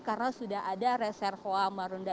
karena sudah ada reservoir